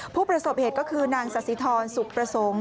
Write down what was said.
ผู้ประสบเหตุก็คือนางสสิทรสุขประสงค์